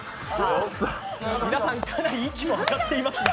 皆さん、かなり息も上がっていますが。